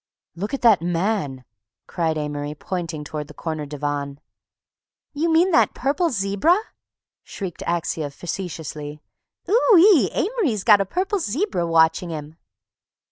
"Look at that man!" cried Amory, pointing toward the corner divan. "You mean that purple zebra!" shrieked Axia facetiously. "Ooo ee! Amory's got a purple zebra watching him!"